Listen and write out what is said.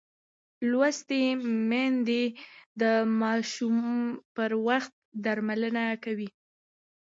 لوستې میندې د ماشوم پر وخت درملنه کوي.